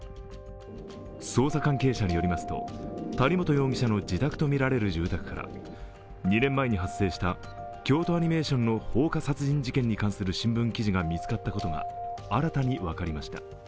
捜査関係者によりますと、谷本容疑者の自宅とみられる住宅から２年前に発生した京都アニメーションの放火殺人事件に関する新聞記事が見つかったことが新たに分かりました。